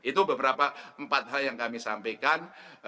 itu beberapa empat hal yang kami sampaikan